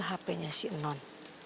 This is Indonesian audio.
hpnya si non